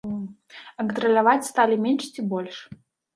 А кантраляваць сталі менш ці больш?